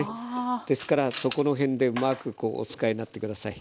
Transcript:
あ！ですからそこの辺でうまくお使いになって下さい。